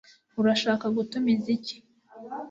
urashaka gutumiza iki